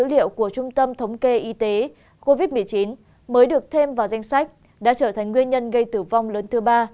liệu của trung tâm thống kê y tế covid một mươi chín mới được thêm vào danh sách đã trở thành nguyên nhân gây tử vong lớn thứ ba